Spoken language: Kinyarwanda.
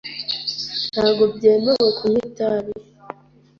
Ntabwo byemewe kunywa itabi.